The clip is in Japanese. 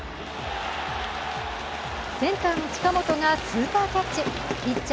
センターの近本がスーパーキャッチ。